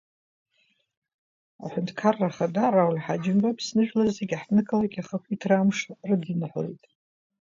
Аҳәынҭқарра Ахада Рауль Ҳаџьымба Аԥсны жәлар зегьы аҳҭнықалақь ахы ақәиҭра Амшныҳәа рыдиныҳәалеит…